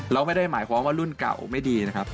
เราไม่ได้หมายความว่ารุ่นเก่าไม่ดีนะครับ